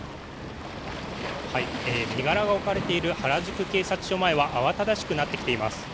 身柄が置かれている原宿警察署前は慌ただしくなってきています。